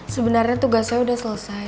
sebenernya tugas saya udah selesai